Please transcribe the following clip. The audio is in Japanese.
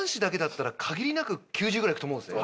これ。と思うんですね